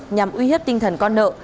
nhằm uy hiếp tinh thần con nợ